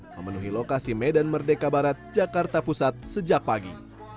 memenuhi lokasi medan merdeka barat jakarta pusat sejak pagi